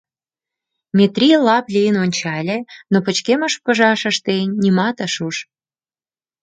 Метрий лап лийын ончале, но пычкемыш пыжашыште нимат ыш уж.